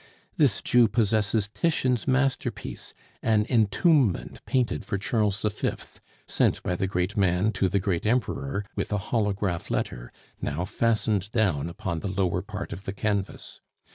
This Jew possesses Titian's masterpiece, an Entombment painted for Charles V., sent by the great man to the great Emperor with a holograph letter, now fastened down upon the lower part of the canvas.